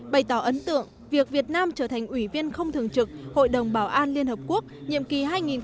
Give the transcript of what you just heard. bày tỏ ấn tượng việc việt nam trở thành ủy viên không thường trực hội đồng bảo an liên hợp quốc nhiệm kỳ hai nghìn hai mươi hai nghìn hai mươi một